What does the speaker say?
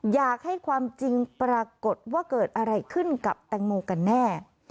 อยากให้ความจริงปรากฏว่าเกิดอะไรขึ้นกับแตงโมกันแน่